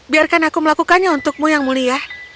biarkan aku melakukannya untukmu yang mulia